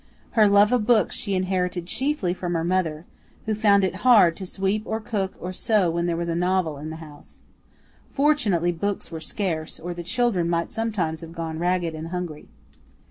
Her love of books she inherited chiefly from her mother, who found it hard to sweep or cook or sew when there was a novel in the house. Fortunately books were scarce, or the children might sometimes have gone ragged and hungry.